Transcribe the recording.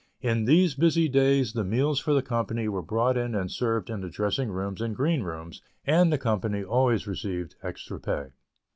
In these busy days the meals for the company were brought in and served in the dressing rooms and green rooms, and the company always received extra pay.